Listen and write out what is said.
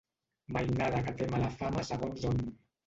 Mainada que té mala fama segons on.